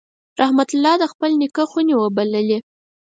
رحمت الله د خپل نیکه خونې وبللې.